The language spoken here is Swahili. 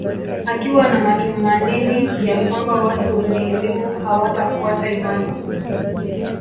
Akiwa na matumanini ya kwamba watu wenye elimu hawatafuata imani